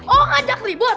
oh ngajak ribut